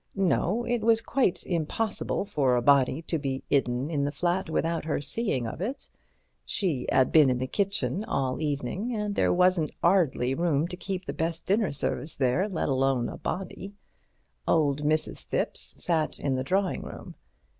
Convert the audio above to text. No, it was quite impossible for a body to be 'idden in the flat without her seeing of it. She 'ad been in the kitchen all evening, and there wasn't 'ardly room to keep the best dinner service there, let alone a body. Old Mrs. Thipps sat in the drawing room.